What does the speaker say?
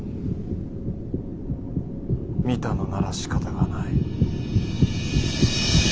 見たのならしかたがない。